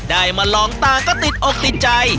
ได้มาลองตาก็ติดอกติดใจ